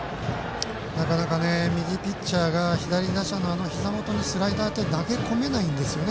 なかなか右ピッチャーが左打者のひざ元に投げ込めないですよね